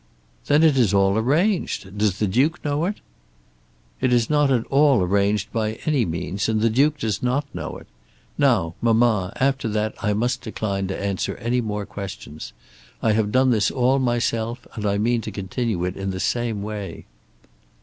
"Then it is all arranged. Does the Duke know it?" "It is not all arranged by any means, and the Duke does know it. Now, mamma, after that I must decline to answer any more questions. I have done this all myself, and I mean to continue it in the same way."